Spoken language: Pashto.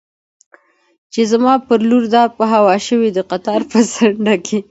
چې زما پر لور را په هوا شو، د قطار په څنډه کې.